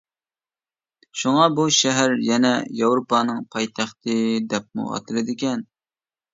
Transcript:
شۇڭا، بۇ شەھەر يەنە ياۋروپانىڭ پايتەختى دەپمۇ ئاتىلىدىكەن.